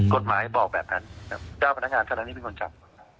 กฎหมายบอกแบบนั้นเจ้าพนักงานเท่านั้นเป็นคนจับ